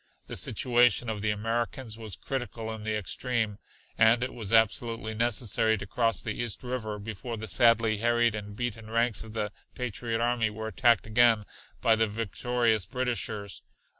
The situation of the Americans was critical in the extreme, and it was absolutely necessary to cross the East River before the sadly harried and beaten ranks of the patriot army were attacked again by the victorious Britishers.